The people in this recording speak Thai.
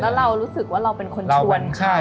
แล้วเรารู้สึกว่าเราเป็นคนชวนใคร